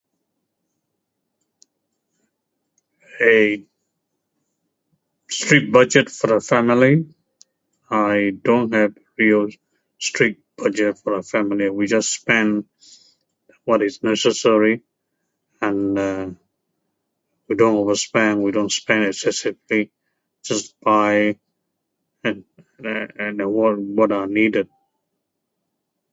A strict budget for a family--I don't have [unintelligible] strict budget for a family, we just spend what is necessary and we don't overspend, we don't spend [unintelligible] just buy what are needed